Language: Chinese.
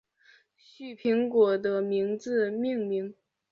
旭苹果的名字命名。